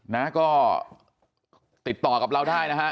นะก็ติดต่อกับเราได้นะฮะ